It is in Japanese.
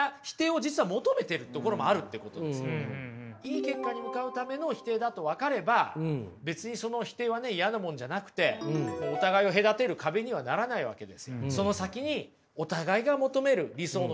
いい結果に向かうための否定だと分かれば別にその否定はね嫌なものじゃなくてお互いを隔てる壁にはならないわけですよ。